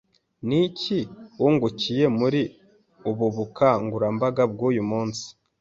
Ni iki wungukiye muri ubu bukangurambaga bw’uyu munsi